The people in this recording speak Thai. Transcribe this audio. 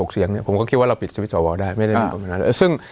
๓๗๖เสียงเนี่ยผมก็คิดว่าเราปิดสวิทย์สวัวได้ไม่ได้ประมาณนั้น